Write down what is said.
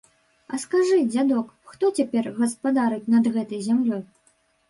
А скажы, дзядок, хто цяпер гаспадарыць над гэтай зямлёй?